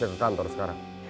halo bisa ke kantor sekarang